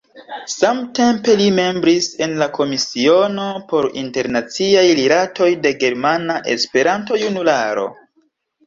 Samtempe li membris en la Komisiono por Internaciaj Rilatoj de Germana Esperanto-Junularo.